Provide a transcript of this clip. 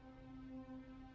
aku sudah berjalan